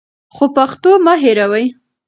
خو پښتو مه هېروئ.